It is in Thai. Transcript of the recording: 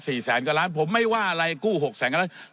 แสนกว่าล้านผมไม่ว่าอะไรกู้หกแสนกว่าล้าน